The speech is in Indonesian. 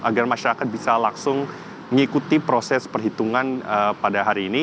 agar masyarakat bisa langsung mengikuti proses perhitungan pada hari ini